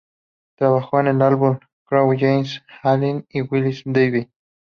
Trabajó en el álbum "Crow Jane Alley", de Willy DeVille.